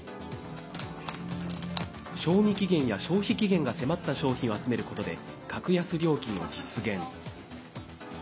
賞味期限や消費期限が迫った商品を集めることで格安料金を実現。